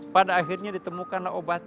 pada akhirnya ditemukanlah obatnya